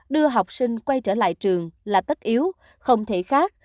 đưa học sinh quay trở lại trường là tất yếu không thể khác